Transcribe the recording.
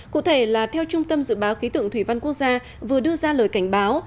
cụ thể là theo trung tâm dự báo khí tượng thủy văn quốc gia vừa đưa ra lời cảnh báo